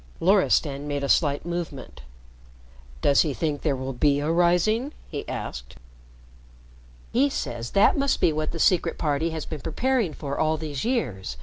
Loristan made a slight movement. "Does he think there will be a Rising?" he asked. "He says that must be what the Secret Party has been preparing for all these years.